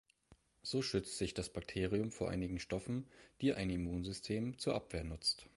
So schützt sich das Bakterium vor einigen Stoffen, die ein Immunsystem zur Abwehr nutzt.